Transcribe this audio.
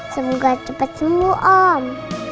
semoga cepet sembuh om